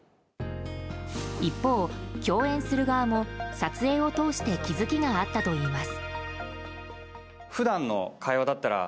一方、共演する側も撮影を通して気付きがあったといいます。